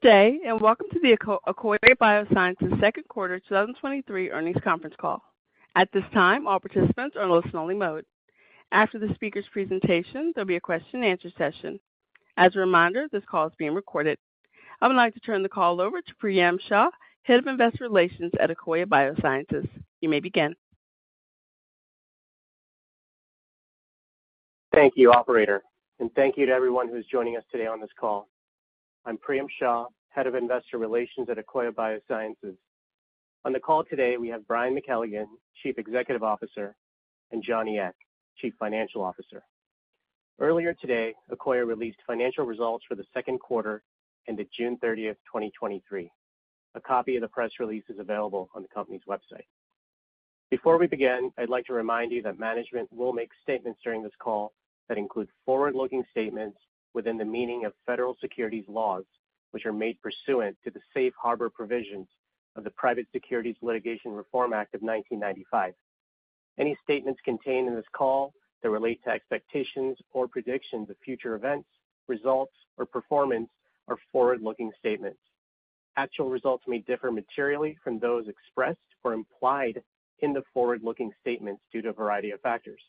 Good day, welcome to the Akoya Biosciences second quarter 2023 earnings conference call. At this time, all participants are in listen-only mode. After the speaker's presentation, there'll be a question-and-answer session. As a reminder, this call is being recorded. I would like to turn the call over to Priyam Shah, Head of Investor Relations at Akoya Biosciences. You may begin. Thank you, operator, thank you to everyone who's joining us today on this call. I'm Priyam Shah, Head of Investor Relations at Akoya Biosciences. On the call today, we have Brian McKelligon, Chief Executive Officer, and Johnny Ek, Chief Financial Officer. Earlier today, Akoya released financial results for the second quarter ended June 30th, 2023. A copy of the press release is available on the company's website. Before we begin, I'd like to remind you that management will make statements during this call that include forward-looking statements within the meaning of federal securities laws, which are made pursuant to the Safe Harbor provisions of the Private Securities Litigation Reform Act of 1995. Any statements contained in this call that relate to expectations or predictions of future events, results, or performance are forward-looking statements. Actual results may differ materially from those expressed or implied in the forward-looking statements due to a variety of factors.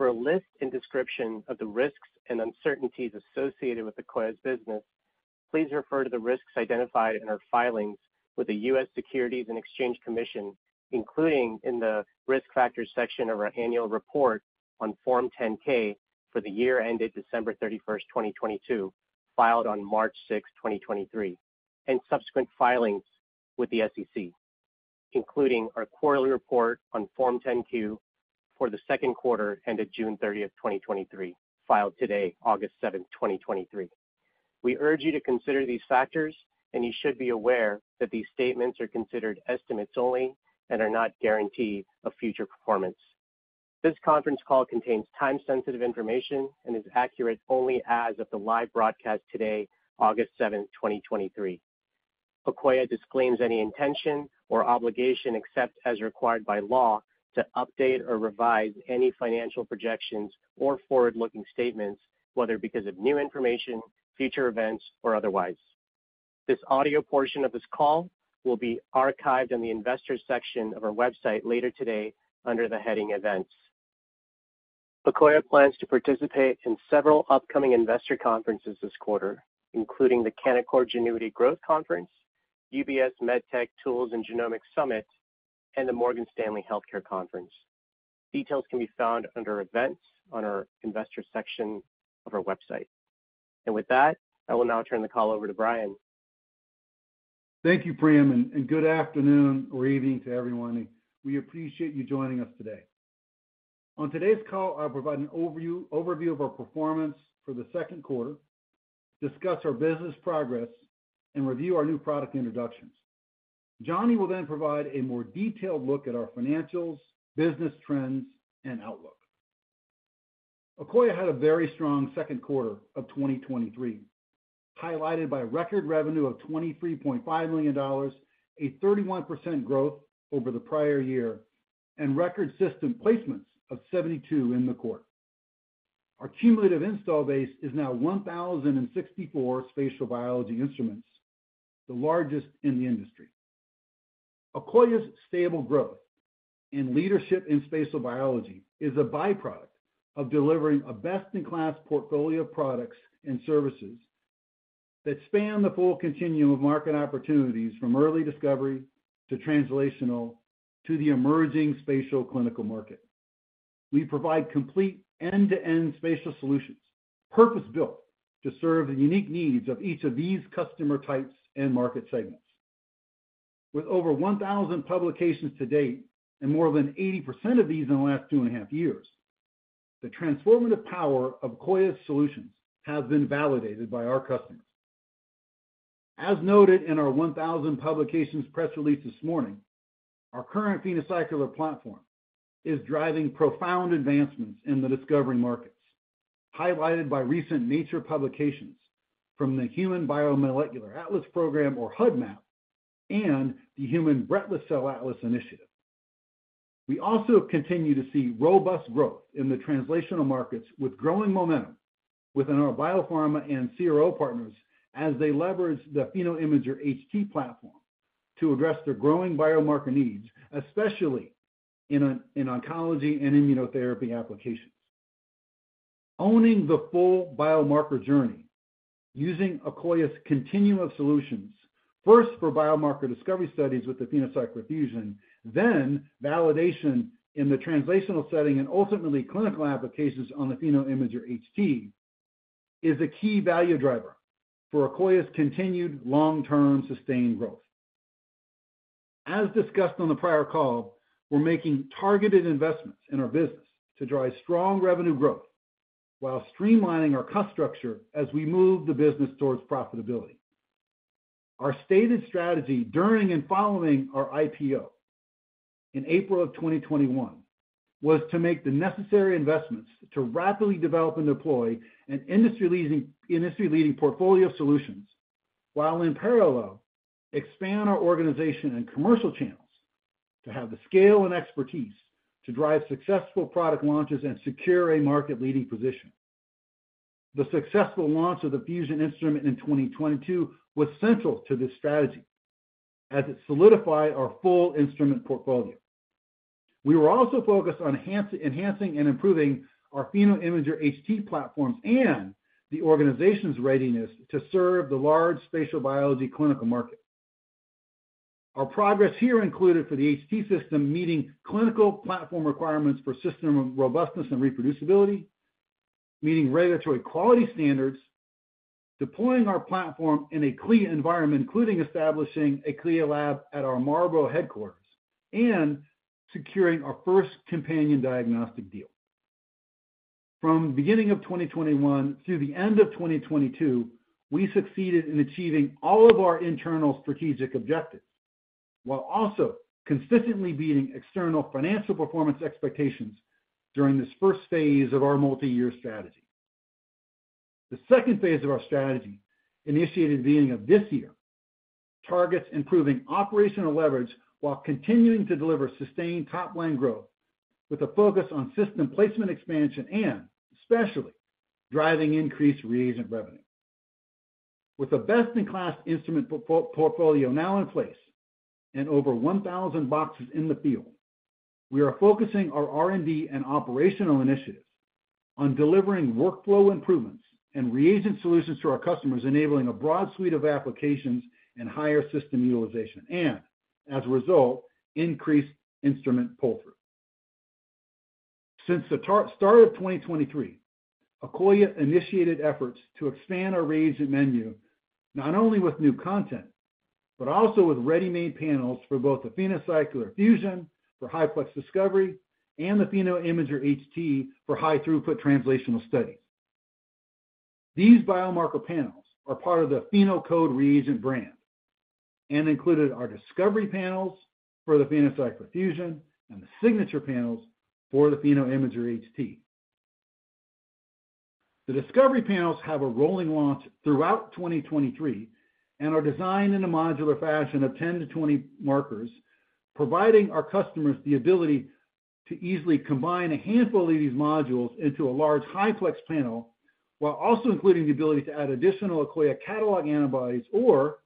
For a list and description of the risks and uncertainties associated with Akoya's business, please refer to the risks identified in our filings with the U.S. Securities and Exchange Commission, including in the Risk Factors section of our annual report on Form 10-K for the year ended December 31, 2022, filed on March 6, 2023, and subsequent filings with the SEC, including our quarterly report on Form 10-Q for the second quarter ended June 30, 2023, filed today, August 7, 2023. We urge you to consider these factors, and you should be aware that these statements are considered estimates only and are not guarantees of future performance. This conference call contains time-sensitive information and is accurate only as of the live broadcast today, August 7th, 2023. Akoya disclaims any intention or obligation, except as required by law, to update or revise any financial projections or forward-looking statements, whether because of new information, future events, or otherwise. This audio portion of this call will be archived on the investors section of our website later today under the heading Events. Akoya plans to participate in several upcoming investor conferences this quarter, including the Canaccord Genuity Growth Conference, UBS MedTech, Tools, and Genomics Summit, and the Morgan Stanley Healthcare Conference. Details can be found under Events on our investor section of our website. With that, I will now turn the call over to Brian. Thank you, Priyam, and good afternoon or evening to everyone. We appreciate you joining us today. On today's call, I'll provide an overview of our performance for the second quarter, discuss our business progress, and review our new product introductions. Johnny will then provide a more detailed look at our financials, business trends, and outlook. Akoya had a very strong second quarter of 2023, highlighted by record revenue of $23.5 million, a 31% growth over the prior year, and record system placements of 72 in the quarter. Our cumulative install base is now 1,064 spatial biology instruments, the largest in the industry. Akoya's stable growth and leadership in spatial biology is a byproduct of delivering a best-in-class portfolio of products and services that span the full continuum of market opportunities, from early discovery to translational to the emerging spatial clinical market. We provide complete end-to-end spatial solutions, purpose-built to serve the unique needs of each of these customer types and market segments. With over 1,000 publications to date and more than 80% of these in the last two and a half years, the transformative power of Akoya's solutions has been validated by our customers. As noted in our 1,000 publications press release this morning, our current PhenoCycler platform is driving profound advancements in the discovering markets, highlighted by recent Nature publications from the Human BioMolecular Atlas program, or HuBMAP, and the Human Breast Cell Atlas Initiative. We also continue to see robust growth in the translational markets, with growing momentum within our biopharma and CRO partners as they leverage the PhenoImager HT platform to address their growing biomarker needs, especially in oncology and immunotherapy applications. Owning the full biomarker journey using Akoya's continuum of solutions, first for biomarker discovery studies with the PhenoCycler-Fusion, then validation in the translational setting and ultimately clinical applications on the PhenoImager HT is a key value driver for Akoya's continued long-term sustained growth. As discussed on the prior call, we're making targeted investments in our business to drive strong revenue growth while streamlining our cost structure as we move the business towards profitability. Our stated strategy during and following our IPO in April of 2021, was to make the necessary investments to rapidly develop and deploy an industry-leading, industry-leading portfolio of solutions, while in parallel, expand our organization and commercial channels to have the scale and expertise to drive successful product launches and secure a market-leading position. The successful launch of the Fusion instrument in 2022 was central to this strategy, as it solidified our full instrument portfolio. We were also focused on enhancing and improving our PhenoImager HT platforms, and the organization's readiness to serve the large spatial biology clinical market. Our progress here included, for the HT system, meeting clinical platform requirements for system robustness and reproducibility, meeting regulatory quality standards, deploying our platform in a CLIA environment, including establishing a CLIA lab at our Marlborough headquarters, and securing our first companion diagnostic deal. From the beginning of 2021 through the end of 2022, we succeeded in achieving all of our internal strategic objectives, while also consistently beating external financial performance expectations during this first phase of our multi-year strategy. The second phase of our strategy, initiated the beginning of this year, targets improving operational leverage while continuing to deliver sustained top-line growth, with a focus on system placement expansion and especially driving increased reagent revenue. With a best-in-class instrument portfolio now in place and over 1,000 boxes in the field, we are focusing our R&D and operational initiatives on delivering workflow improvements and reagent solutions to our customers, enabling a broad suite of applications and higher system utilization, and as a result, increased instrument pull-through. Since the start of 2023, Akoya initiated efforts to expand our reagent menu, not only with new content, but also with ready-made panels for both the PhenoCycler-Fusion for high-plex discovery and the PhenoImager HT for high-throughput translational studies. These biomarker panels are part of the PhenoCode Reagent brand and included our Discovery Panels for the PhenoCycler-Fusion and the Signature Panels for the PhenoImager HT. The Discovery Panels have a rolling launch throughout 2023 and are designed in a modular fashion of 10-20 markers, providing our customers the ability to easily combine a handful of these modules into a large high-plex panel, while also including the ability to add additional Akoya catalog antibodies or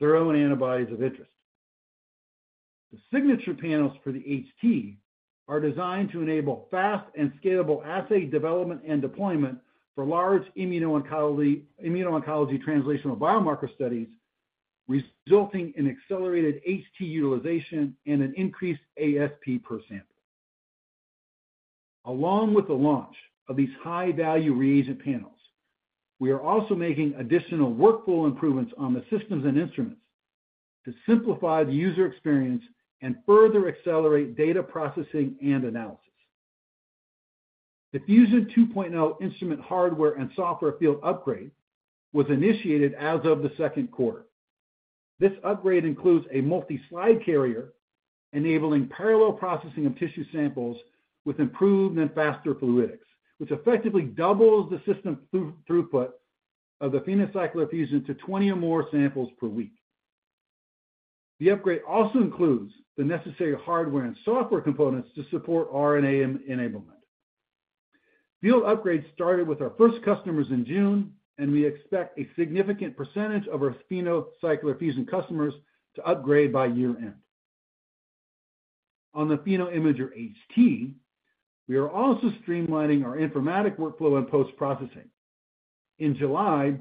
their own antibodies of interest. The Signature Panels for the HT are designed to enable fast and scalable assay development and deployment for large immuno-oncology, immuno-oncology translational biomarker studies, resulting in accelerated HT utilization and an increased ASP per sample. Along with the launch of these high-value reagent panels, we are also making additional workflow improvements on the systems and instruments to simplify the user experience and further accelerate data processing and analysis. The Fusion 2.0 instrument hardware and software field upgrade was initiated as of the second quarter. This upgrade includes a multi-slide carrier, enabling parallel processing of tissue samples with improved and faster fluidics, which effectively doubles the system through-throughput of the PhenoCycler-Fusion to 20 or more samples per week. The upgrade also includes the necessary hardware and software components to support RNA enablement. Field upgrades started with our first customers in June, and we expect a significant percentage of our PhenoCycler-Fusion customers to upgrade by year-end. On the PhenoImager HT, we are also streamlining our informatic workflow and post-processing. In July,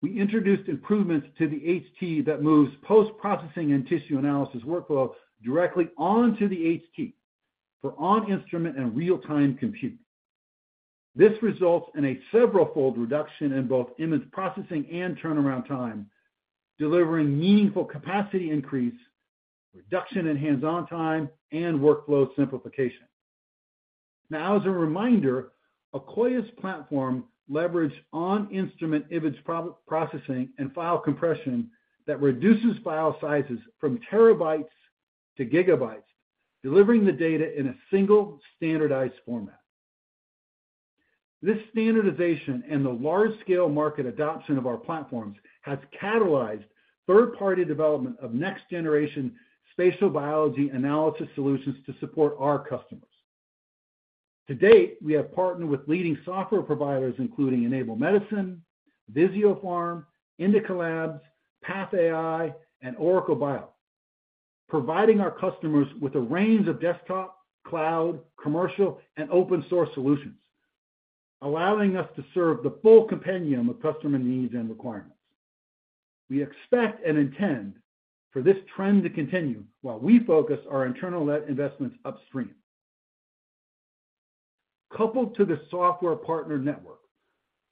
we introduced improvements to the HT that moves post-processing and tissue analysis workflows directly onto the HT for on-instrument and real-time compute. This results in a several-fold reduction in both image processing and turnaround time, delivering meaningful capacity increase, reduction in hands-on time, and workflow simplification. Now, as a reminder, Akoya's platform leverage on-instrument image pro-processing and file compression that reduces file sizes from terabytes to gigabytes, delivering the data in a single standardized format. This standardization and the large-scale market adoption of our platforms has catalyzed third-party development of next-generation spatial biology analysis solutions to support our customers. To date, we have partnered with leading software providers, including Enable Medicine, Visiopharm, Indica Labs, PathAI, and OracleBio, providing our customers with a range of desktop, cloud, commercial, and open-source solutions, allowing us to serve the full compendium of customer needs and requirements. We expect and intend for this trend to continue while we focus our internal investments upstream. Coupled to the software partner network,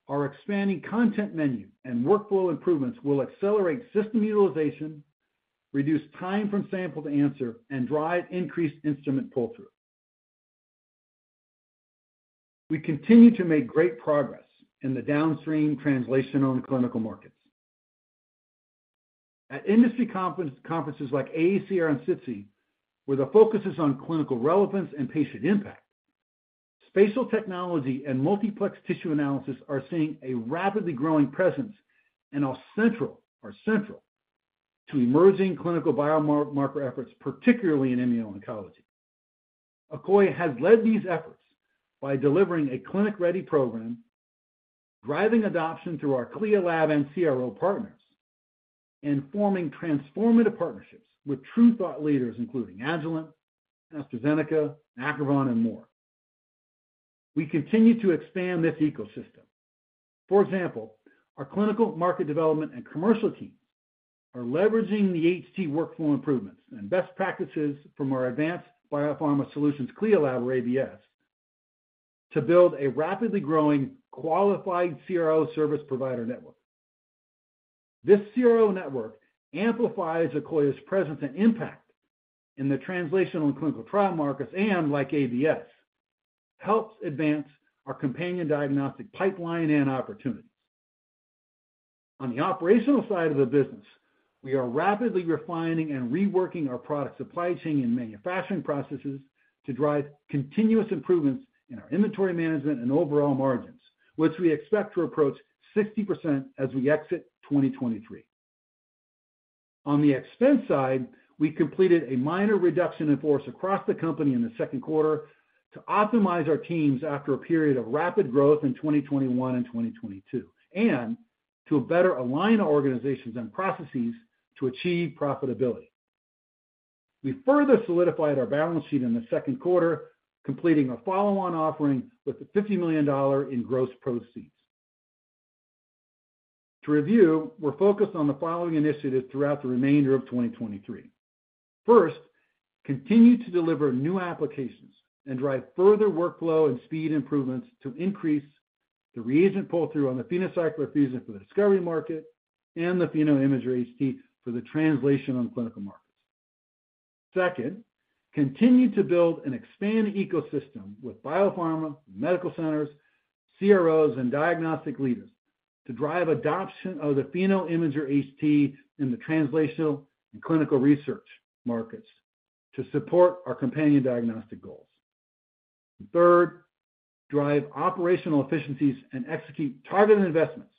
our expanding content menu and workflow improvements will accelerate system utilization, reduce time from sample to answer, and drive increased instrument pull-through. We continue to make great progress in the downstream translational and clinical markets. At industry conferences like AACR and SITC, where the focus is on clinical relevance and patient impact, spatial technology and multiplex tissue analysis are seeing a rapidly growing presence and are central to emerging clinical biomarker efforts, particularly in immuno-oncology. Akoya has led these efforts by delivering a clinic-ready program, driving adoption through our CLIA lab and CRO partners, and forming transformative partnerships with true thought leaders, including Agilent, AstraZeneca, Acrivon, and more. We continue to expand this ecosystem. For example, our clinical market development and commercial teams are leveraging the HT workflow improvements and best practices from our Advanced Biopharma Solutions CLIA lab, or ABS, to build a rapidly growing qualified CRO service provider network. This CRO network amplifies Akoya's presence and impact in the translational and clinical trial markets, and, like ABS, helps advance our companion diagnostic pipeline and opportunities. On the operational side of the business, we are rapidly refining and reworking our product supply chain and manufacturing processes to drive continuous improvements in our inventory management and overall margins, which we expect to approach 60% as we exit 2023. On the expense side, we completed a minor reduction in force across the company in the second quarter to optimize our teams after a period of rapid growth in 2021 and 2022, and to better align our organizations and processes to achieve profitability. We further solidified our balance sheet in the second quarter, completing a follow-on offering with $50 million in gross proceeds. To review, we're focused on the following initiatives throughout the remainder of 2023. First, continue to deliver new applications and drive further workflow and speed improvements to increase the reagent pull-through on the PhenoCycler-Fusion for the discovery market and the PhenoImager HT for the translation on clinical markets. Second, continue to build and expand ecosystem with biopharma, medical centers, CROs, and diagnostic leaders to drive adoption of the PhenoImager HT in the translational and clinical research markets to support our companion diagnostic goals. Third, drive operational efficiencies and execute targeted investments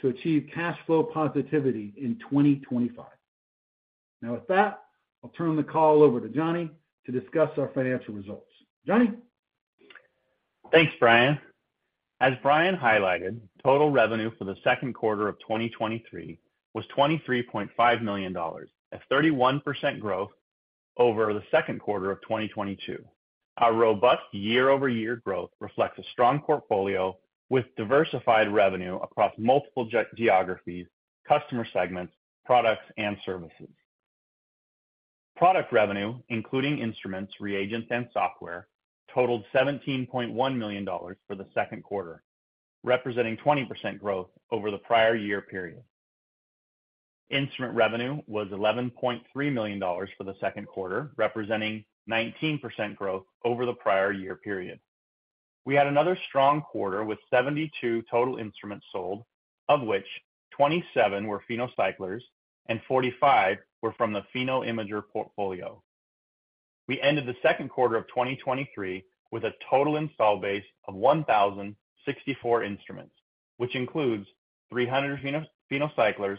to achieve cash flow positivity in 2025. With that, I'll turn the call over to Johnny to discuss our financial results. Johnny? Thanks, Brian. As Brian highlighted, total revenue for the second quarter of 2023 was $23.5 million, a 31% growth over the second quarter of 2022. Our robust year-over-year growth reflects a strong portfolio with diversified revenue across multiple geographies, customer segments, products, and services. Product revenue, including instruments, reagents, and software, totaled $17.1 million for the second quarter, representing 20% growth over the prior year period. Instrument revenue was $11.3 million for the second quarter, representing 19% growth over the prior year period. We had another strong quarter with 72 total instruments sold, of which 27 were PhenoCyclers and 45 were from the PhenoImager portfolio. We ended the second quarter of 2023 with a total install base of 1,064 instruments, which includes 300 PhenoCyclers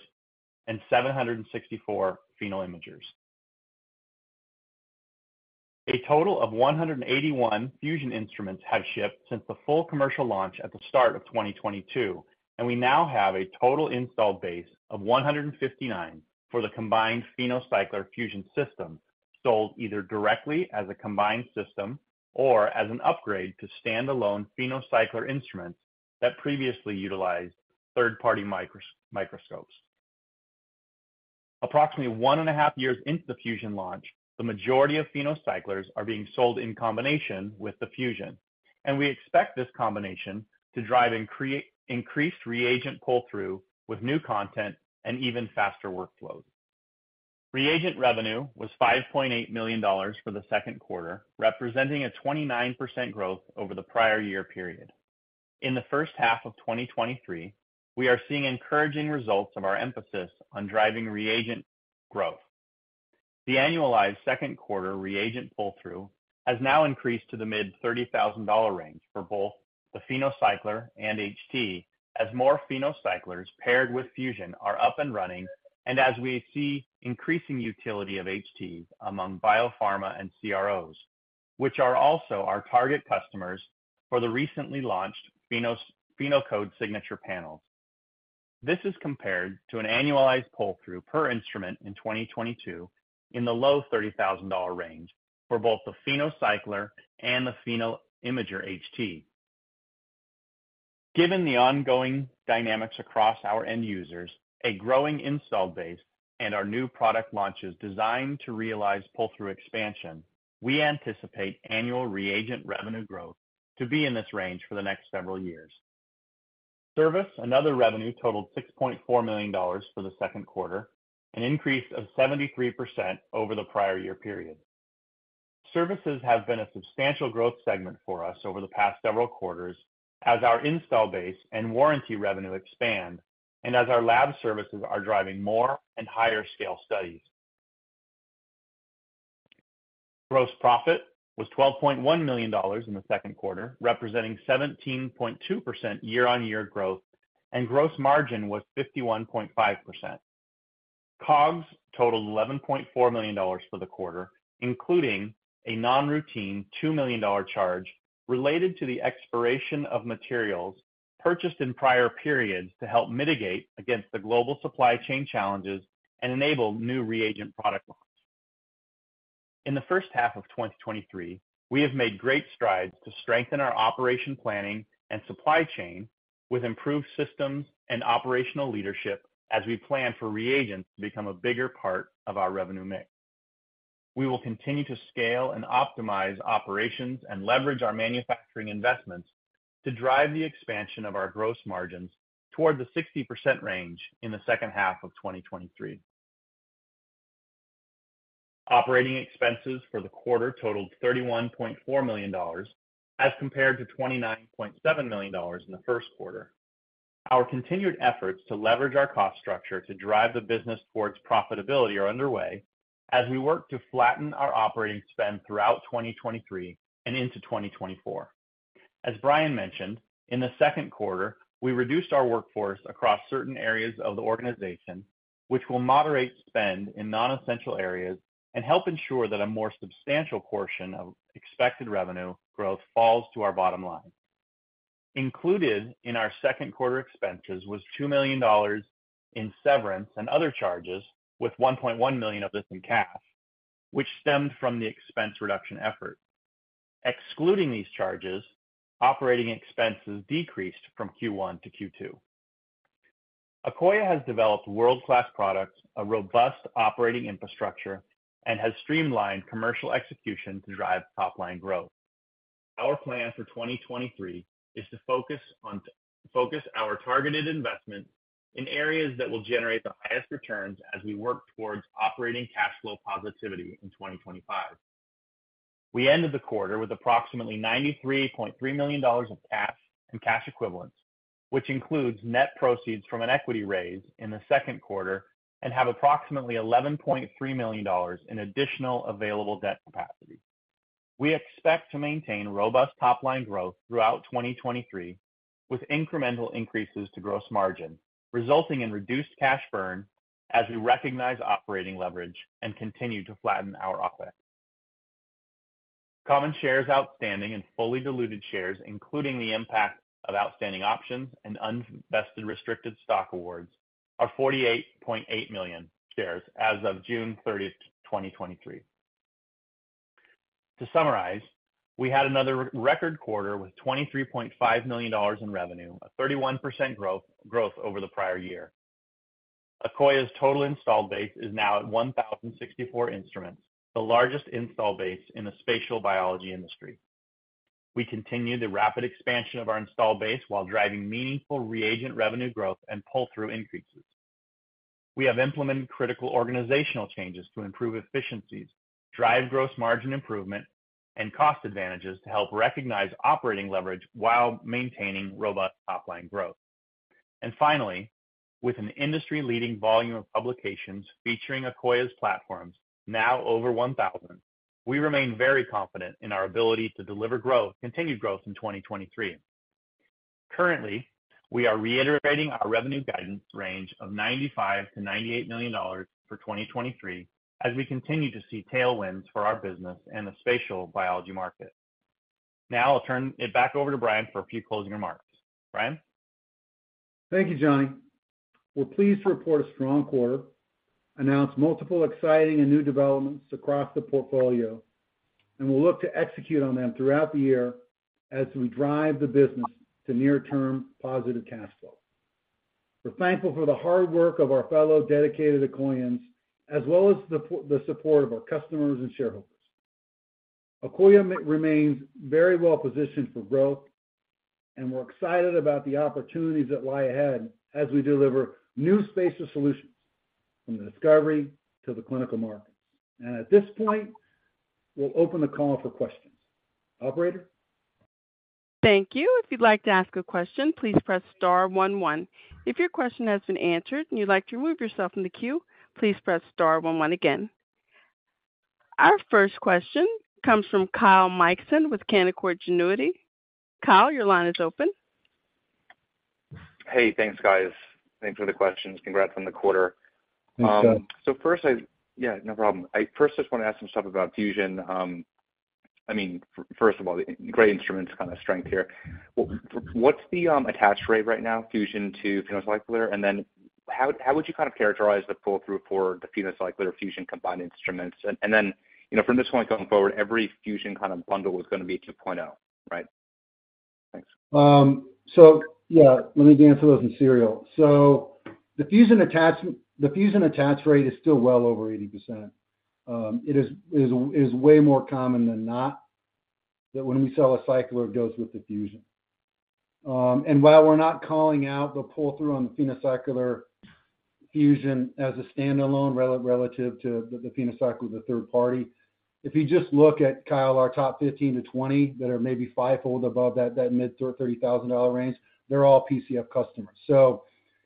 and 764 PhenoImagers. A total of 181 Fusion instruments have shipped since the full commercial launch at the start of 2022, and we now have a total installed base of 159 for the combined PhenoCycler-Fusion system, sold either directly as a combined system or as an upgrade to standalone PhenoCycler instruments that previously utilized third-party microscopes. Approximately one and a half years into the Fusion launch, the majority of PhenoCyclers are being sold in combination with the Fusion, and we expect this combination to drive increased reagent pull-through with new content and even faster workflows. Reagent revenue was $5.8 million for the second quarter, representing a 29% growth over the prior year period. In the first half of 2023, we are seeing encouraging results of our emphasis on driving reagent growth. The annualized second quarter reagent pull-through has now increased to the mid $30,000 range for both the PhenoCycler and HT, as more PhenoCyclers paired with Fusion are up and running, and as we see increasing utility of HTs among biopharma and CROs, which are also our target customers for the recently launched PhenoCode Signature Panels. This is compared to an annualized pull-through per instrument in 2022 in the low $30,000 range for both the PhenoCycler and the PhenoImager HT. Given the ongoing dynamics across our end users, a growing install base, and our new product launches designed to realize pull-through expansion, we anticipate annual reagent revenue growth to be in this range for the next several years. Service and other revenue totaled $6.4 million for the second quarter, an increase of 73% over the prior year period. Services have been a substantial growth segment for us over the past several quarters as our install base and warranty revenue expand, and as our lab services are driving more and higher scale studies. Gross profit was $12.1 million in the second quarter, representing 17.2% year-on-year growth, and gross margin was 51.5%. COGS totaled $11.4 million for the quarter, including a non-routine $2 million charge related to the expiration of materials purchased in prior periods to help mitigate against the global supply chain challenges and enable new reagent product lines. In the first half of 2023, we have made great strides to strengthen our operation planning and supply chain with improved systems and operational leadership as we plan for reagents to become a bigger part of our revenue mix. We will continue to scale and optimize operations and leverage our manufacturing investments to drive the expansion of our gross margins toward the 60% range in the second half of 2023. Operating expenses for the quarter totaled $31.4 million, as compared to $29.7 million in the first quarter. Our continued efforts to leverage our cost structure to drive the business towards profitability are underway as we work to flatten our operating spend throughout 2023 and into 2024. As Brian mentioned, in the second quarter, we reduced our workforce across certain areas of the organization, which will moderate spend in non-essential areas and help ensure that a more substantial portion of expected revenue growth falls to our bottom line. Included in our second quarter expenses was $2 million in severance and other charges, with $1.1 million of this in cash, which stemmed from the expense reduction effort. Excluding these charges, operating expenses decreased from Q1 to Q2. Akoya has developed world-class products, a robust operating infrastructure, and has streamlined commercial execution to drive top-line growth. Our plan for 2023 is to focus on, focus our targeted investment in areas that will generate the highest returns as we work towards operating cash flow positivity in 2025. We ended the quarter with approximately $93.3 million of cash and cash equivalents, which includes net proceeds from an equity raise in the second quarter and have approximately $11.3 million in additional available debt capacity. We expect to maintain robust top-line growth throughout 2023, with incremental increases to gross margin, resulting in reduced cash burn as we recognize operating leverage and continue to flatten our OpEx. Common shares outstanding and fully diluted shares, including the impact of outstanding options and unvested restricted stock awards, are 48.8 million shares as of June 30, 2023. To summarize, we had another record quarter with $23.5 million in revenue, a 31% growth, growth over the prior year. Akoya's total installed base is now at 1,064 instruments, the largest install base in the spatial biology industry. We continue the rapid expansion of our install base while driving meaningful reagent revenue growth and pull-through increases. We have implemented critical organizational changes to improve efficiencies, drive gross margin improvement, and cost advantages to help recognize operating leverage while maintaining robust top-line growth. Finally, with an industry-leading volume of publications featuring Akoya's platforms, now over 1,000, we remain very confident in our ability to deliver growth, continued growth in 2023. Currently, we are reiterating our revenue guidance range of $95 million-$98 million for 2023, as we continue to see tailwinds for our business and the spatial biology market. Now I'll turn it back over to Brian for a few closing remarks. Brian? Thank you, Johnny. We're pleased to report a strong quarter, announce multiple exciting and new developments across the portfolio, we'll look to execute on them throughout the year as we drive the business to near-term positive cash flow. We're thankful for the hard work of our fellow dedicated Akoyans, as well as the support of our customers and shareholders. Akoya remains very well positioned for growth, we're excited about the opportunities that lie ahead as we deliver new spatial solutions from the discovery to the clinical markets. At this point, we'll open the call for questions. Operator? Thank you. If you'd like to ask a question, please press star 1, 1. If your question has been answered and you'd like to remove yourself from the queue, please press star 1, 1 again. Our first question comes from Kyle Mikson with Canaccord Genuity. Kyle, your line is open. Hey, thanks, guys. Thanks for the questions. Congrats on the quarter. Thanks, Kyle. Yeah, no problem. I first just want to ask some stuff about Fusion. I mean, first of all, the great instruments kind of strength here. What's the attach rate right now, Fusion to PhenoCycler? Then how would you kind of characterize the pull-through for the PhenoCycler Fusion combined instruments? Then, you know, from this point coming forward, every Fusion kind of bundle is going to be 2.0, right? Thanks. Let me answer those in serial. The Fusion attach rate is still well over 80%. It is way more common than not that when we sell a cycler, it goes with the Fusion. While we're not calling out the pull-through on the PhenoCycler-Fusion as a standalone relative to the PhenoCycler, the third party, if you just look at, Kyle, our top 15-20 that are maybe 5-fold above that, that mid to $30,000 range, they're all PCF customers.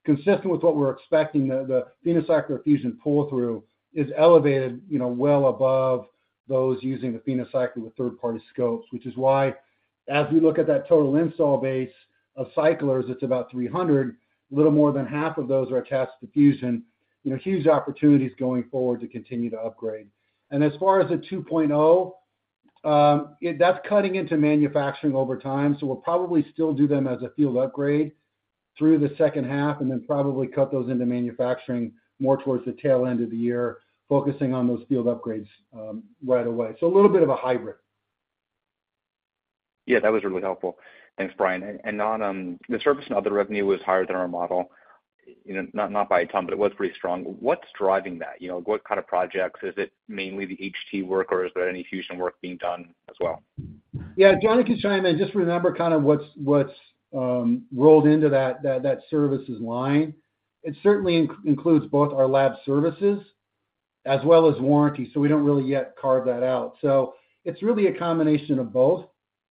Consistent with what we're expecting, the PhenoCycler-Fusion pull-through is elevated, you know, well above those using the PhenoCycler with third-party scopes, which is why as we look at that total install base of cyclers, it's about 300, a little more than half of those are attached to Fusion. You know, huge opportunities going forward to continue to upgrade. As far as the 2.0, that's cutting into manufacturing over time, so we'll probably still do them as a field upgrade through the second half and then probably cut those into manufacturing more towards the tail end of the year, focusing on those field upgrades right away. A little bit of a hybrid. Yeah, that was really helpful. Thanks, Brian. On the service and other revenue was higher than our model, you know, not, not by a ton, but it was pretty strong. What's driving that? You know, what kind of projects? Is it mainly the HT work, or is there any Fusion work being done as well? Yeah, Johnny can chime in. Just remember kind of what's, what's rolled into that, that, that services line. It certainly includes both our lab services as well as warranty, so we don't really yet carve that out. So it's really a combination of both.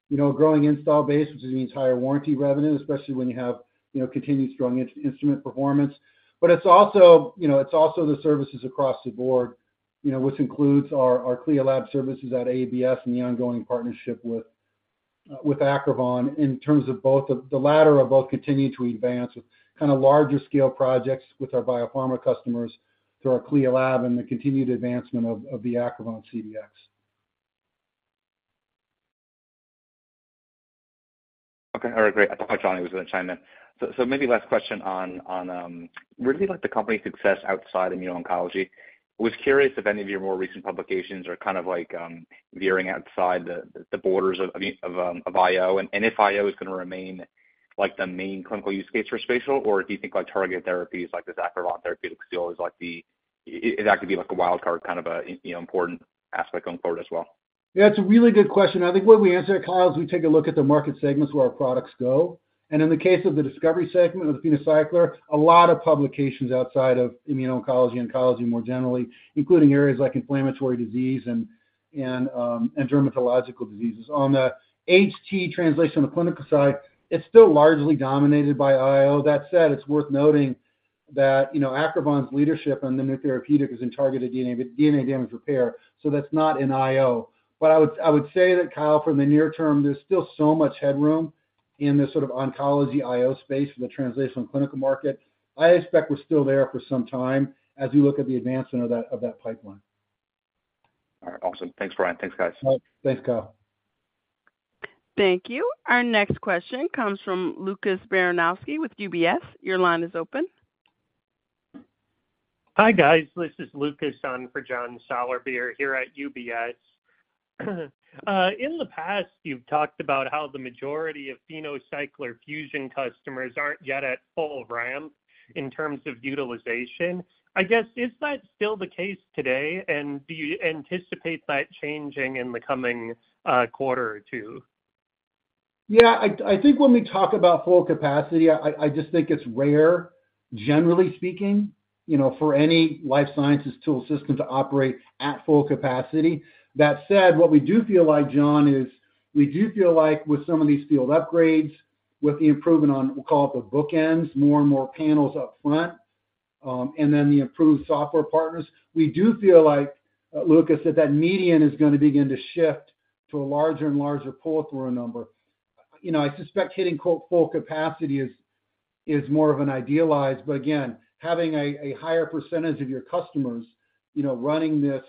You know, growing install base, which means higher warranty revenue, especially when you have, you know, continued strong instrument performance. But it's also, you know, it's also the services across the board, you know, which includes our, our CLIA lab services at ABS and the ongoing partnership with, with Aquaron in terms of both... The latter of both continue to advance with kind of larger scale projects with our biopharma customers through our CLIA lab and the continued advancement of, of the Aquaron CDX. Okay, all right, great. I thought Johnny was going to chime in. Maybe last question on, on, really, like, the company success outside immuno-oncology. I was curious if any of your more recent publications are kind of like, veering outside the, the borders of, I mean, of, of IO. If IO is going to remain, like, the main clinical use case for spatial, or do you think, like, targeted therapies like this Aquaron therapeutic seal is like it actually be like a wild card, kind of a, you know, important aspect going forward as well? Yeah, it's a really good question. I think the way we answer it, Kyle, is we take a look at the market segments where our products go. In the case of the discovery segment of the PhenoCycler, a lot of publications outside of immuno-oncology, oncology more generally, including areas like inflammatory disease and, and, and dermatological diseases. On the HT translation on the clinical side, it's still largely dominated by IO. That said, it's worth noting that, you know, Aquaron's leadership on the new therapeutic is in targeted DNA, DNA damage repair, so that's not in IO. I would, I would say that, Kyle, from the near term, there's still so much headroom in this sort of oncology IO space for the translational clinical market. I expect we're still there for some time as we look at the advancement of that, of that pipeline. All right. Awesome. Thanks, Brian. Thanks, guys. Thanks, Kyle. Thank you. Our next question comes from Lucas Baranowski with UBS. Your line is open. Hi, guys. This is Lucas in for John Sourbeer here at UBS. In the past, you've talked about how the majority of PhenoCycler-Fusion customers aren't yet at full ramp in terms of utilization. I guess, is that still the case today, and do you anticipate that changing in the coming quarter or two? Yeah, I think when we talk about full capacity, I just think it's rare, generally speaking, you know, for any life sciences tool system to operate at full capacity. That said, what we do feel like, John, is we do feel like with some of these field upgrades, with the improvement on, we'll call it the bookends, more and more panels up front, and then the improved software partners, we do feel like, Lucas, that that median is going to begin to shift to a larger and larger pull-through number. You know, I suspect hitting quote, full capacity is more of an idealized, but again, having a, a higher percentage of your customers, you know, running this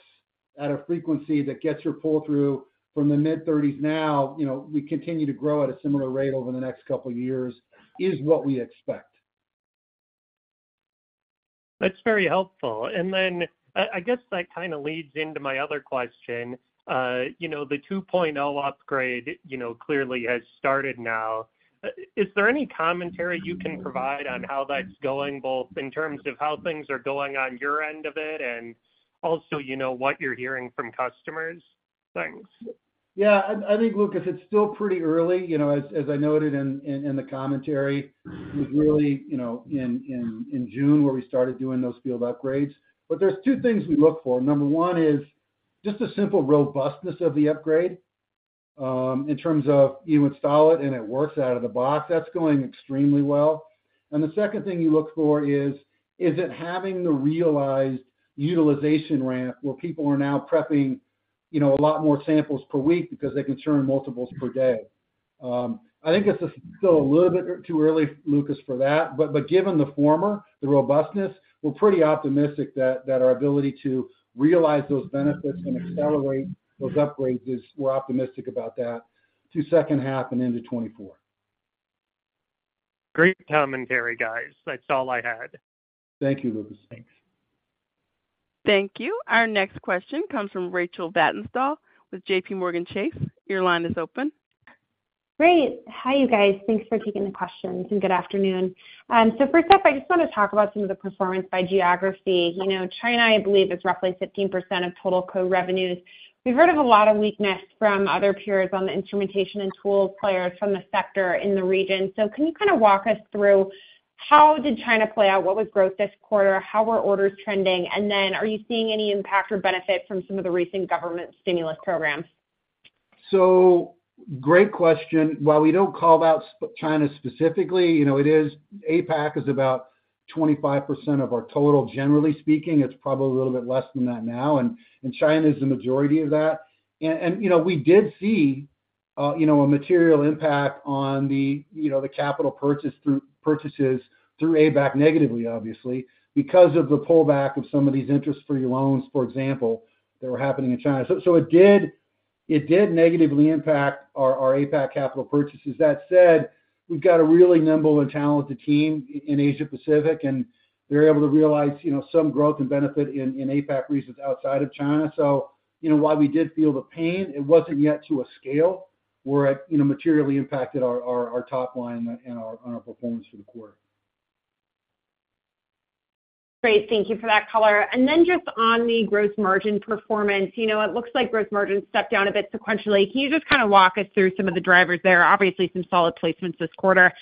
at a frequency that gets your pull-through from the mid-30s now, you know, we continue to grow at a similar rate over the next couple of years, is what we expect. That's very helpful. Then I guess that kind of leads into my other question. You know, the 2.0 upgrade, you know, clearly has started now. Is there any commentary you can provide on how that's going, both in terms of how things are going on your end of it and also, you know, what you're hearing from customers? Thanks. Yeah, I think, Lucas, it's still pretty early. You know, as, as I noted in, in, in the commentary, it was really, you know, in, in, in June, where we started doing those field upgrades. There's 2 things we look for. Number 1 is just the simple robustness of the upgrade, in terms of you install it, and it works out of the box. That's going extremely well. The second thing you look for is, is it having the realized utilization ramp, where people are now prepping, you know, a lot more samples per week because they can turn multiples per day? I think it's still a little bit too early, Lucas, for that, but given the former, the robustness, we're pretty optimistic that our ability to realize those benefits and accelerate those upgrades is we're optimistic about that to second half and into 2024. Great commentary, guys. That's all I had. Thank you, Lucas. Thanks. Thank you. Our next question comes from Rachel Vatnsdal with JPMorgan Chase. Your line is open. Great. Hi, you guys. Thanks for taking the questions, and good afternoon. First up, I just want to talk about some of the performance by geography. You know, China, I believe, is roughly 15% of total co-revenues. We've heard of a lot of weakness from other peers on the instrumentation and tools players from the sector in the region. Can you kind of walk us through. How did China play out? What was growth this quarter? How were orders trending? Then are you seeing any impact or benefit from some of the recent government stimulus programs? Great question. While we don't call out China specifically, you know, APAC is about 25% of our total, generally speaking. It's probably a little bit less than that now, and, and China is the majority of that. And, you know, we did see, you know, a material impact on the, you know, the capital purchase purchases through APAC negatively, obviously, because of the pullback of some of these interest-free loans, for example, that were happening in China. So it did, it did negatively impact our, our APAC capital purchases. That said, we've got a really nimble and talented team in Asia Pacific, and they're able to realize, you know, some growth and benefit in, in APAC regions outside of China. You know, while we did feel the pain, it wasn't yet to a scale where it, you know, materially impacted our, our, our top line and our, and our performance for the quarter. Great. Thank you for that color. Then just on the gross margin performance, you know, it looks like gross margin stepped down a bit sequentially. Can you just kinda walk us through some of the drivers there? Obviously, some solid placements this quarter.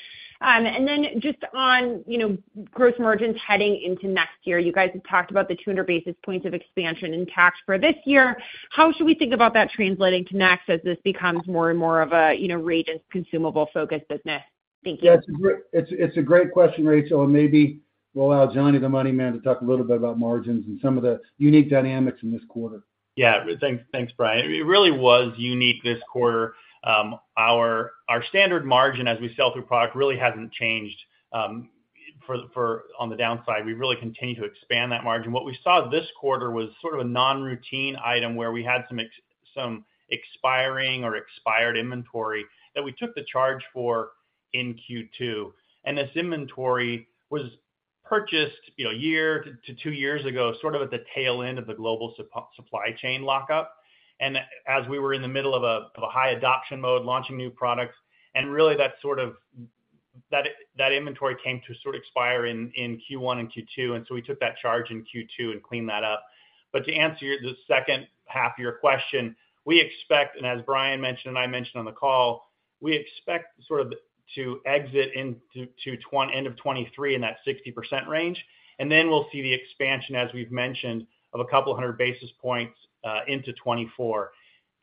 Then just on, you know, gross margins heading into next year. You guys have talked about the 200 basis points of expansion in Akoya for this year. How should we think about that translating to next, as this becomes more and more of a, you know, reagents, consumable-focused business? Thank you. Yeah, it's a great question, Rachel, and maybe we'll allow Johnny, the money man, to talk a little bit about margins and some of the unique dynamics in this quarter. Yeah. Thanks, thanks, Brian. It really was unique this quarter. Our, our standard margin, as we sell through product, really hasn't changed on the downside. We really continue to expand that margin. What we saw this quarter was sort of a non-routine item where we had some expiring or expired inventory that we took the charge for in Q2, and this inventory was purchased, you know, a year to 2 years ago, sort of at the tail end of the global supply chain lockup. As we were in the middle of a, of a high adoption mode, launching new products, and really that sort of, that, that inventory came to sort of expire in Q1 and Q2, and so we took that charge in Q2 and cleaned that up. To answer your the second half of your question, we expect, and as Brian mentioned and I mentioned on the call, we expect sort of to exit into end of 2023 in that 60% range, and then we'll see the expansion, as we've mentioned, of a couple of hundred basis points into 2024.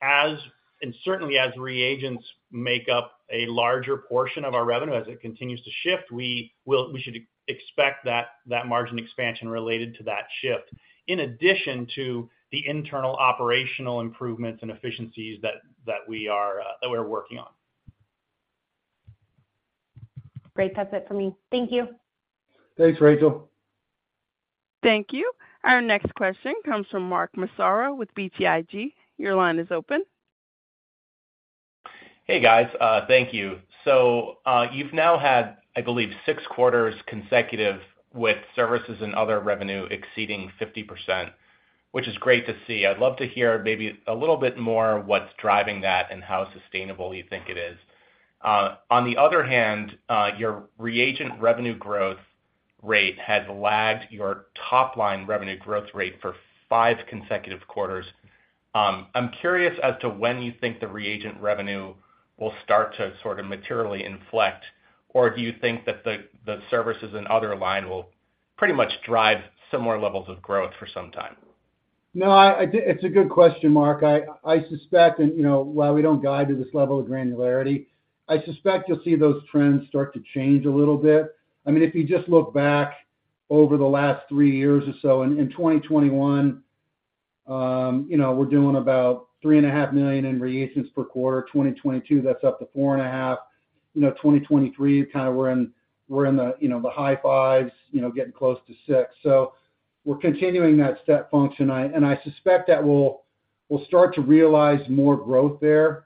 And certainly as reagents make up a larger portion of our revenue, as it continues to shift, we should expect that, that margin expansion related to that shift, in addition to the internal operational improvements and efficiencies that, that we are, that we're working on. Great. That's it for me. Thank you. Thanks, Rachel. Thank you. Our next question comes from Mark Massaro with BTIG. Your line is open. Hey, guys. Thank you. You've now had, I believe, 6 quarters consecutive with services and other revenue exceeding 50%, which is great to see. I'd love to hear maybe a little bit more what's driving that and how sustainable you think it is? On the other hand, your reagent revenue growth rate has lagged your top-line revenue growth rate for 5 consecutive quarters. I'm curious as to when you think the reagent revenue will start to sort of materially inflect, or do you think that the, the services and other line will pretty much drive similar levels of growth for some time? No, I, I do-- It's a good question, Mark. I, I suspect, and, you know, while we don't guide to this level of granularity, I suspect you'll see those trends start to change a little bit. I mean, if you just look back over the last 3 years or so, in, in 2021, you know, we're doing about $3.5 million in reagents per quarter. 2022, that's up to $4.5 million. You know, 2023, kind of we're in, we're in the, you know, the high fives, you know, getting close to $6 million. We're continuing that step function, I... I suspect that we'll, we'll start to realize more growth there,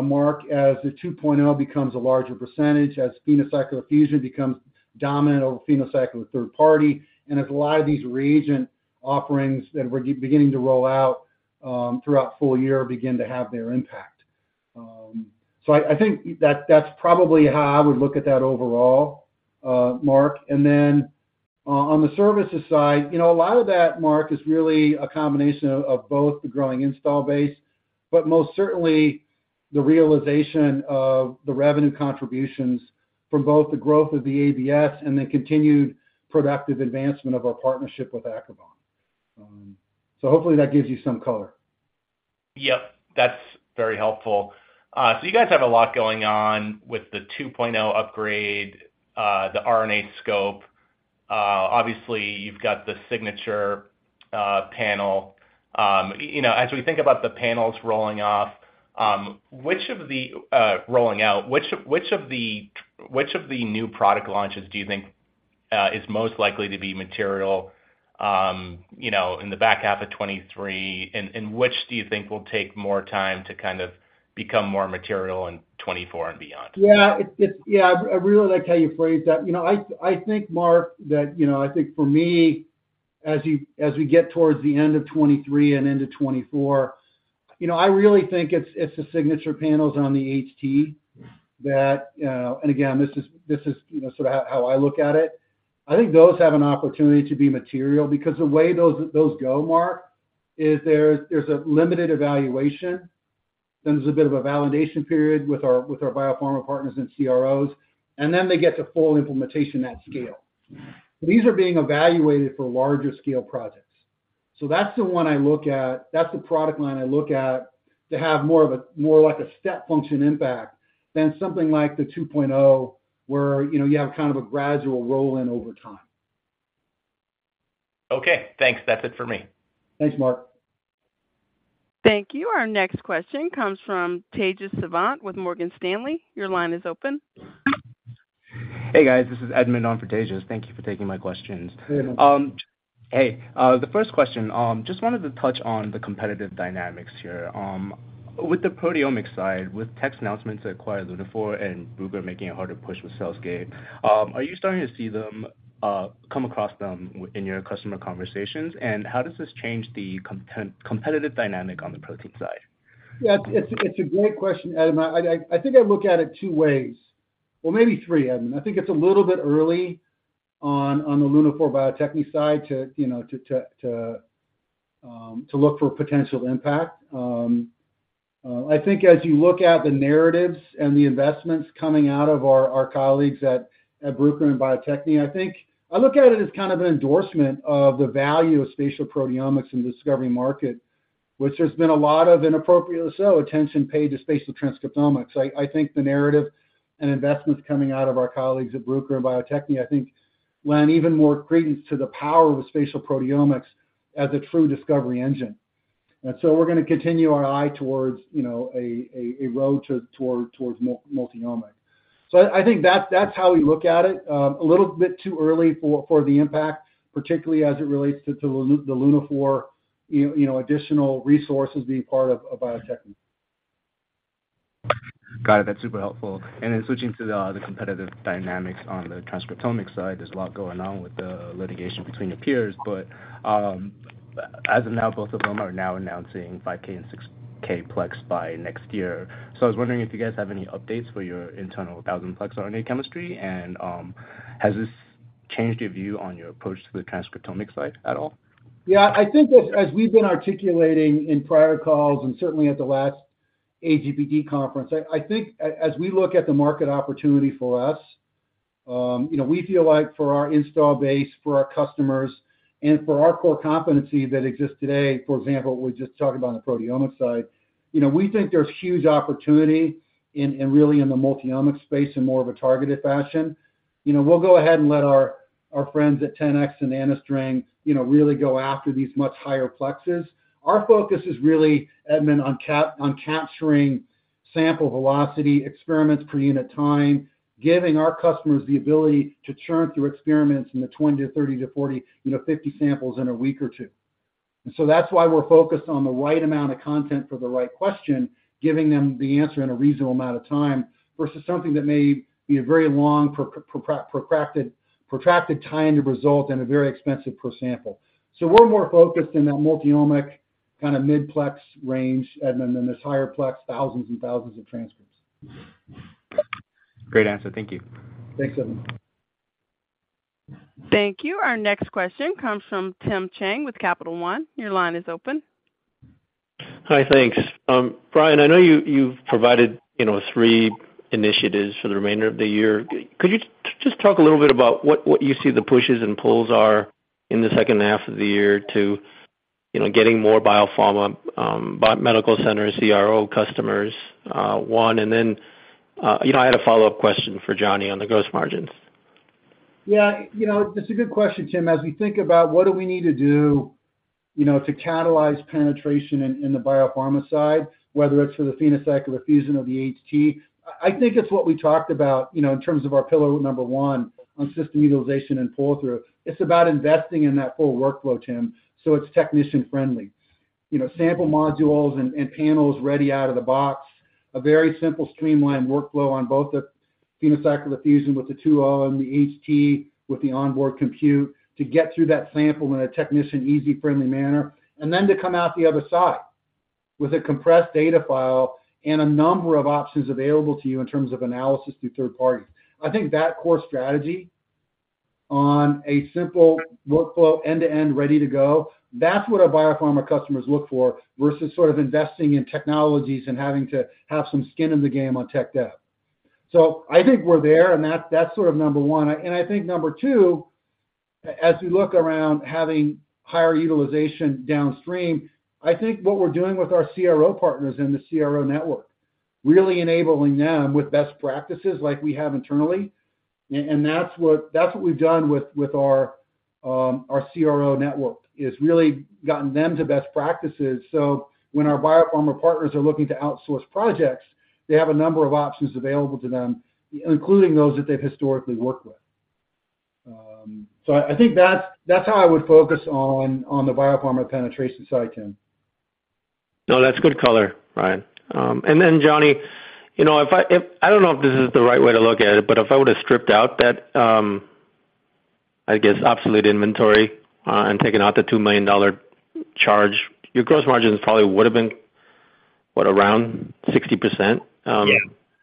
Mark, as the 2.0 becomes a larger percentage, as PhenoCycler-Fusion becomes dominant over PhenoCycler third party, and as a lot of these reagent offerings that we're beginning to roll out, throughout full year begin to have their impact. So I, I think that's, that's probably how I would look at that overall, Mark. Then, on the services side, you know, a lot of that, Mark, is really a combination of, of both the growing install base, but most certainly the realization of the revenue contributions from both the growth of the ABS and the continued productive advancement of our partnership with Aquabon. So hopefully that gives you some color. Yep, that's very helpful. You guys have a lot going on with the 2.0 upgrade, the RNAscope. Obviously, you've got the Signature Panel. You know, as we think about the panels rolling off, which of the rolling out new product launches do you think is most likely to be material, you know, in the back half of 2023? Which do you think will take more time to kind of become more material in 2024 and beyond? Yeah, it's... Yeah, I really like how you phrased that. You know, I, I think, Mark, that, you know, I think for me, as you- as we get towards the end of 2023 and into 2024, you know, I really think it's, it's the Signature Panels on the HT that, again, this is, this is, you know, sort of how, how I look at it. I think those have an opportunity to be material, because the way those, those go, Mark, is there's, there's a limited evaluation.... Then there's a bit of a validation period with our biopharma partners and CROs, and then they get to full implementation at scale. These are being evaluated for larger scale projects. That's the one I look at, that's the product line I look at, to have more of a, more like a step function impact than something like the 2.0, where, you know, you have kind of a gradual roll in over time. Okay, thanks. That's it for me. Thanks, Mark. Thank you. Our next question comes from Tejas Savant with Morgan Stanley. Your line is open. Hey, guys, this is Edmund on for Tejas. Thank you for taking my questions. Hey, Edmund. Hey, the 1st question, just wanted to touch on the competitive dynamics here. With the proteomics side, with Tecan announcements to acquire Lunaphore and Bruker making it harder to push with CellScape, are you starting to see them come across them in your customer conversations? How does this change the competitive dynamic on the protein side? Yeah, it's, it's a great question, Edmund. I think I look at it two ways, or maybe three, Edmund. I think it's a little bit early on the Lunaphore Bio-Techne side to, you know, to look for potential impact. I think as you look at the narratives and the investments coming out of our colleagues at, at Bruker and Bio-Techne, I think I look at it as kind of an endorsement of the value of spatial proteomics in discovery market, which there's been a lot of inappropriate, so attention paid to spatial transcriptomics. I think the narrative and investments coming out of our colleagues at Bruker and Bio-Techne, I think lend even more credence to the power of spatial proteomics as a true discovery engine. We're gonna continue our eye towards, you know, a, a, a road to, toward, towards multi-omics. I think that's, that's how we look at it. A little bit too early for, for the impact, particularly as it relates to, to the Lunaphore, you know, additional resources being part of, of Bio-Techne. Got it. That's super helpful. Switching to the competitive dynamics on the transcriptomics side, there's a lot going on with the litigation between your peers, as of now, both of them are now announcing 5K and 6K plex by next year. I was wondering if you guys have any updates for your internal 1,000 plex RNA chemistry, has this changed your view on your approach to the transcriptomics side at all? Yeah, I think as, as we've been articulating in prior calls and certainly at the last AGBT conference, I, I think as we look at the market opportunity for us, you know, we feel like for our install base, for our customers and for our core competency that exists today, for example, we just talked about the proteomics side, you know, we think there's huge opportunity in, in really in the multi-omics space in more of a targeted fashion. You know, we'll go ahead and let our, our friends at 10x and NanoString, you know, really go after these much higher plexes. Our focus is really, Edmund, on capturing sample velocity, experiments per unit time, giving our customers the ability to churn through experiments in the 20 to 30 to 40, you know, 50 samples in a week or two. That's why we're focused on the right amount of content for the right question, giving them the answer in a reasonable amount of time, versus something that may be a very long protracted time to result and a very expensive per sample. We're more focused in that multi-omic kind of mid-plex range, Edmund, than this higher plex, thousands and thousands of transcripts. Great answer. Thank you. Thanks, Edmund. Thank you. Our next question comes from Tim Chiang with Capital One. Your line is open. Hi, thanks. Brian, I know you've provided, you know, three initiatives for the remainder of the year. Could you just talk a little bit about what, what you see the pushes and pulls are in the second half of the year to, you know, getting more biopharma, biomedical centers, CRO customers, one, and then, you know, I had a follow-up question for Johnny on the gross margins? Yeah, you know, it's a good question, Tim. As we think about what do we need to do, you know, to catalyze penetration in, in the biopharma side, whether it's for the PhenoCycler, or the Fusion, or the HT, I think it's what we talked about, you know, in terms of our pillar number one on system utilization and pull-through. It's about investing in that full workflow, Tim, so it's technician friendly. You know, sample modules and, and panels ready out of the box, a very simple, streamlined workflow on both the PhenoCycler, the Fusion with the 2.0 and the HT, with the onboard compute, to get through that sample in a technician, easy, friendly manner, and then to come out the other side with a compressed data file and a number of options available to you in terms of analysis through third parties. I think that core strategy on a simple workflow, end-to-end, ready to go, that's what our biopharma customers look for, versus sort of investing in technologies and having to have some skin in the game on tech dev. I think we're there, and that's, that's sort of number 1. I think number 2, as we look around having higher utilization downstream, I think what we're doing with our CRO partners in the CRO network, really enabling them with best practices like we have internally, and, and that's what, that's what we've done with, with our CRO network, is really gotten them to best practices. When our biopharma partners are looking to outsource projects, they have a number of options available to them, including those that they've historically worked with. I, I think that's, that's how I would focus on, on the biopharma penetration side, Tim. No, that's good color, Brian. Johnny, you know, if I don't know if this is the right way to look at it, but if I were to stripped out that, I guess, obsolete inventory, and taken out the $2 million charge, your gross margins probably would have been, what? Around 60%? Yeah.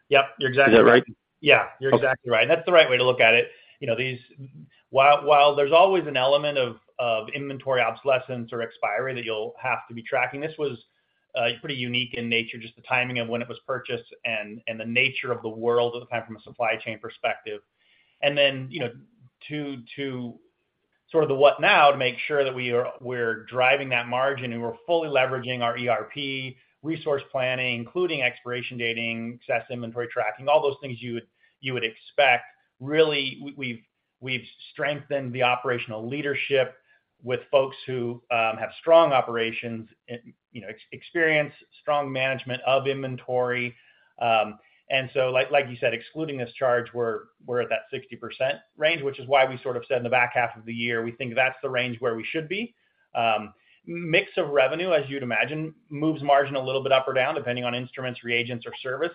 Yep, you're exactly right. Is that right? Yeah, you're exactly right. That's the right way to look at it. You know, these, while, while there's always an element of, of inventory obsolescence or expiry that you'll have to be tracking, this was pretty unique in nature, just the timing of when it was purchased and, and the nature of the world at the time, from a supply chain perspective. Then, you know, to, to sort of the what now to make sure that we're driving that margin, and we're fully leveraging our ERP, resource planning, including expiration dating, excess inventory tracking, all those things you would, you would expect. Really, we, we've, we've strengthened the operational leadership with folks who have strong operations and, you know, experience, strong management of inventory. So, like you said, excluding this charge, we're, we're at that 60% range, which is why we sort of said in the back half of the year, we think that's the range where we should be. Mix of revenue, as you'd imagine, moves margin a little bit up or down, depending on instruments, reagents, or service.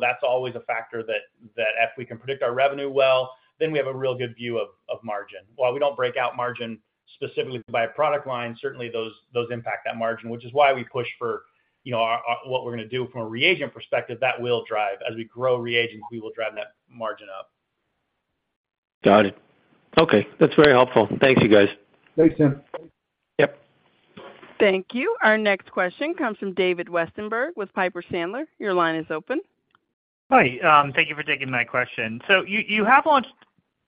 That's always a factor that, that if we can predict our revenue well, then we have a real good view of margin. While we don't break out margin specifically by product line, certainly those, those impact that margin, which is why we push for, you know, what we're gonna do from a reagent perspective, that will drive. As we grow reagents, we will drive that margin up. Got it. Okay, that's very helpful. Thank you, guys. Thanks, Tim. Yep. Thank you. Our next question comes from David Westenberg with Piper Sandler. Your line is open. Hi, thank you for taking my question. You, you have launched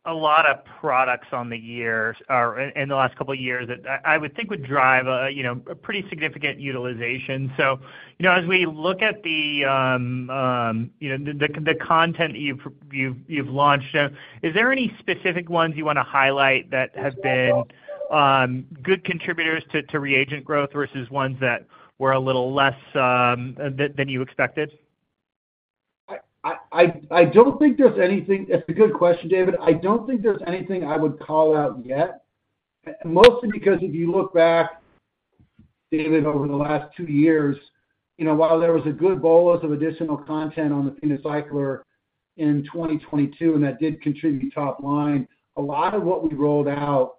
a lot of products on the years or in the last couple of years that I would think would drive, you know, a pretty significant utilization. You know, as we look at the, you know, the content you've launched, is there any specific ones you want to highlight that have been good contributors to reagent growth versus ones that were a little less than you expected? I don't think there's anything. That's a good question, David. I don't think there's anything I would call out yet. Mostly because if you look back, David, over the last 2 years, you know, while there was a good bolus of additional content on the PhenoCycler in 2022, and that did contribute top line, a lot of what we rolled out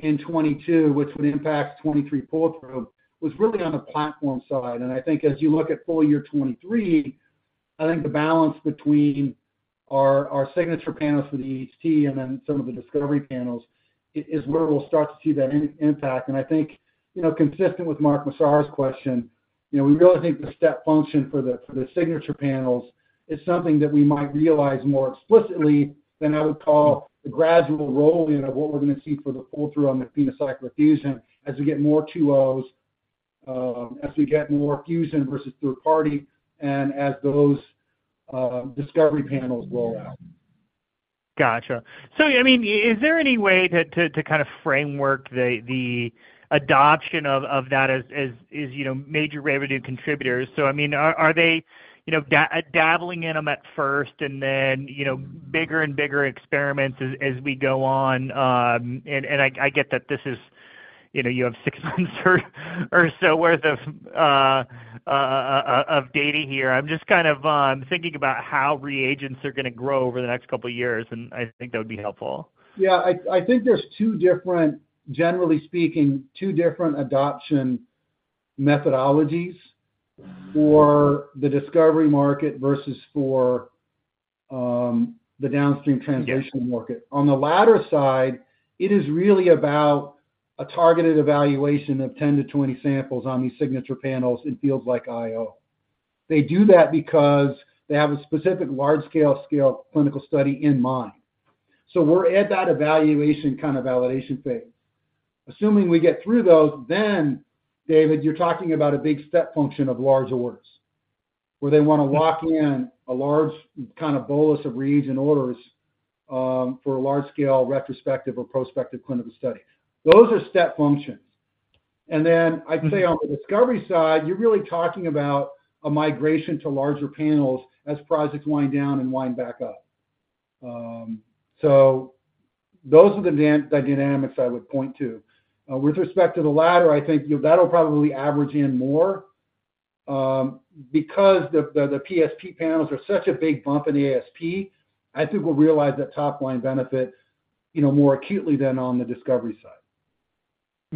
in 2022, which would impact 2023 pull through, was really on the platform side. I think as you look at full year 2023, I think the balance between our, our Signature Panels for the HT and then some of the Discovery Panels is where we'll start to see that impact. I think, you know, consistent with Mark Massaro's question, you know, we really think the step function for the, for the Signature Panels is something that we might realize more explicitly than I would call the gradual roll-in of what we're gonna see for the pull-through on the PhenoCycler-Fusion. As we get more 2.0s, as we get more Fusion versus third party, and as those, Discovery Panels roll out. Gotcha. I mean, is there any way to kind of framework the adoption of that as, you know, major revenue contributors? I mean, are they, you know, dabbling in them at first and then, you know, bigger and bigger experiments as we go on? I get that this is, you know, you have 6 months or so worth of data here. I'm just kind of thinking about how reagents are gonna grow over the next couple of years, and I think that would be helpful. Yeah, I, I think there's two different, generally speaking, two different adoption methodologies for the discovery market versus for, the downstream translation market. Yeah. On the latter side, it is really about a targeted evaluation of 10-20 samples on these Signature Panels in fields like IO. They do that because they have a specific large-scale clinical study in mind. We're at that evaluation, kind of validation phase. Assuming we get through those, then, David, you're talking about a big step function of large awards, where they want to lock in a large kind of bolus of reads and orders, for a large-scale retrospective or prospective clinical study. Those are step functions. Then I'd say on the discovery side, you're really talking about a migration to larger panels as projects wind down and wind back up. Those are the dynamics I would point to. With respect to the latter, I think, you know, that'll probably average in more, because the, the, the PSP panels are such a big bump in the ASP, I think we'll realize that top line benefits, you know, more acutely than on the discovery side.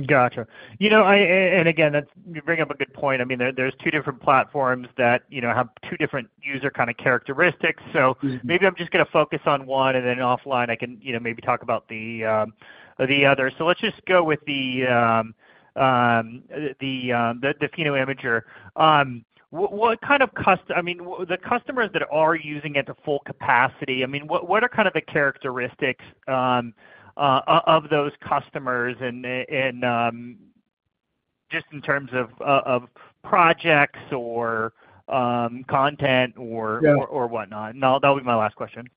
Gotcha. You know, again, that's, you bring up a good point. I mean, there, there's two different platforms that, you know, have two different user kind of characteristics. Mm-hmm. Maybe I'm just gonna focus on one, and then offline, I can, you know, maybe talk about the other. Let's just go with the PhenoImager. What kind of customers, I mean, the customers that are using it to full capacity, I mean, what, what are kind of the characteristics of those customers and, and, just in terms of projects or content or? Yeah... or whatnot? That'll be my last question.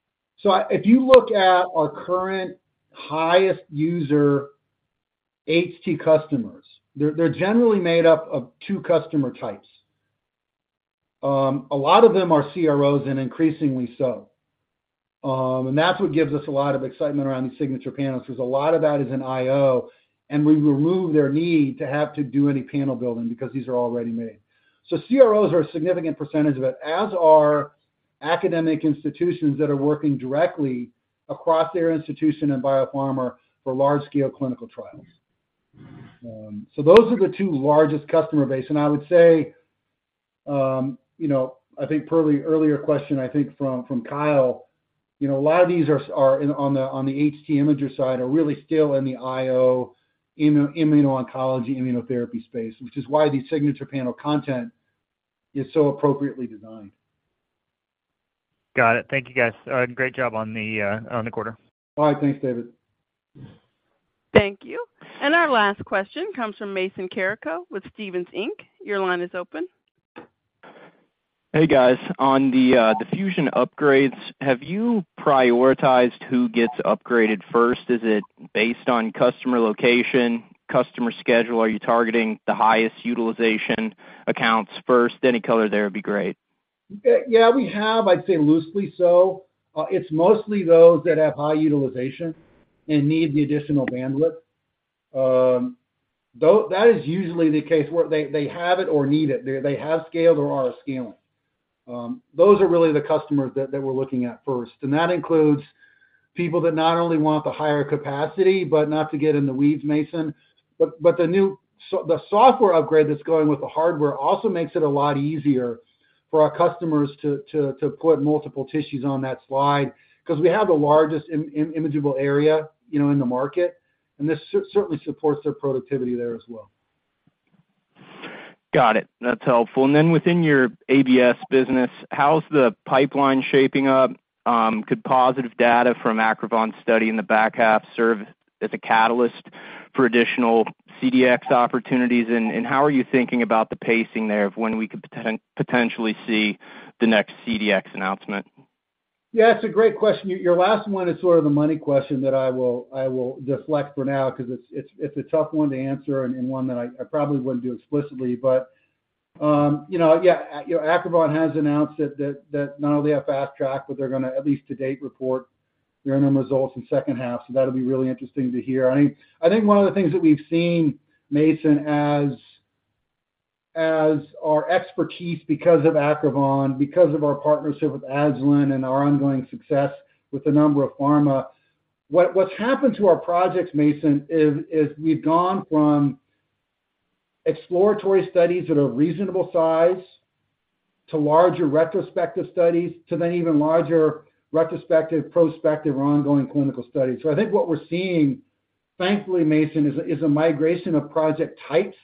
If you look at our current highest user HT customers, they're generally made up of two customer types. A lot of them are CROs, and increasingly so. That's what gives us a lot of excitement around these Signature Panels. There's a lot of that is in IO, and we remove their need to have to do any panel building because these are already made. CROs are a significant percentage of it, as are academic institutions that are working directly across their institution and biopharma for large-scale clinical trials. Those are the two largest customer base. I would say, you know, I think per the earlier question, I think from Kyle, you know, a lot of these are in, on the HT Imager side, are really still in the IO, immuno, immuno-oncology, immunotherapy space, which is why these Signature Panel content is so appropriately designed. Got it. Thank you, guys. Great job on the quarter. Bye. Thanks, David. Thank you. Our last question comes from Mason Carrico with Stephens Inc. Your line is open. Hey, guys. On the Fusion upgrades, have you prioritized who gets upgraded first? Is it based on customer location, customer schedule? Are you targeting the highest utilization accounts first? Any color there would be great. Yeah, we have, I'd say loosely so. It's mostly those that have high utilization and need the additional bandwidth. Though, that is usually the case where they, they have it or need it. They, they have scaled or are scaling. Those are really the customers that, that we're looking at first, and that includes people that not only want the higher capacity, but not to get in the weeds, Mason, but, but the new software upgrade that's going with the hardware also makes it a lot easier for our customers to, to, to put multiple tissues on that slide. 'Cause we have the largest imageable area, you know, in the market, and this certainly supports their productivity there as well. Got it. That's helpful. Then within your ABS business, how's the pipeline shaping up? Could positive data from Acrivon study in the back half serve as a catalyst for additional CDx opportunities? And how are you thinking about the pacing there of when we could potentially see the next CDx announcement? Yeah, that's a great question. Your, your last one is sort of the money question that I will, I will deflect for now because it's, it's, it's a tough one to answer and, and one that I, I probably wouldn't do explicitly. You know, yeah, Acrivon has announced that, that, that not only are they fast track, but they're gonna, at least to date, report interim results in second half, so that'll be really interesting to hear. I think, I think one of the things that we've seen, Mason, as, as our expertise, because of Acrivon, because of our partnership with Agilent and our ongoing success with a number of pharma, what, what's happened to our projects, Mason, is, is we've gone from exploratory studies that are reasonable size, to larger retrospective studies, to then even larger retrospective, prospective, or ongoing clinical studies. I think what we're seeing, thankfully, Mason, is a, is a migration of project types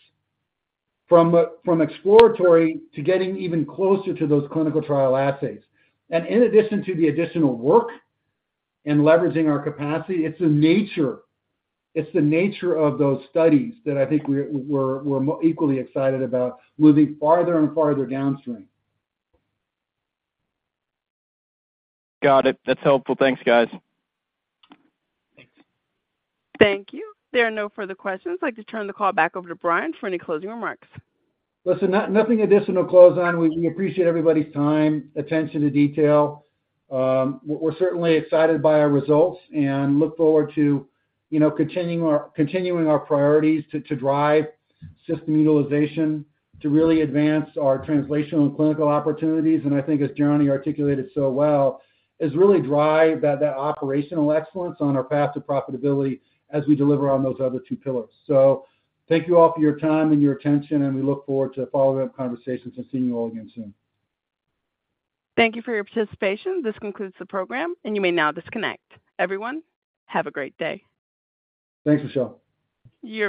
from exploratory to getting even closer to those clinical trial assays. In addition to the additional work in leveraging our capacity, it's the nature, it's the nature of those studies that I think we're, we're, we're equally excited about moving farther and farther downstream. Got it. That's helpful. Thanks, guys. Thanks. Thank you. There are no further questions. I'd like to turn the call back over to Brian for any closing remarks. Listen, nothing additional to close on. We, we appreciate everybody's time, attention to detail. We're, we're certainly excited by our results and look forward to, you know, continuing our, continuing our priorities to, to drive system utilization, to really advance our translational and clinical opportunities. I think as Johnny articulated so well, is really drive that, that operational excellence on our path to profitability as we deliver on those other two pillars. Thank you all for your time and your attention, and we look forward to follow-up conversations and seeing you all again soon. Thank you for your participation. This concludes the program, and you may now disconnect. Everyone, have a great day. Thanks, Michelle. You're welcome.